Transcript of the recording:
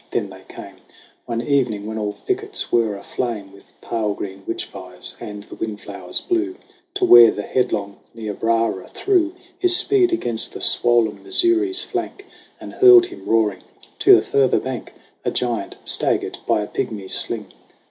Then they came, One evening when all thickets were aflame With pale green witch fires and the windflowers blew, To where the headlong Niobrara threw His speed against the swoln Missouri's flank And hurled him roaring to the further bank A giant staggered by a pigmy's sling.